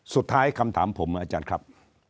สุดท้ายคำถามผมอาจารย์ครับ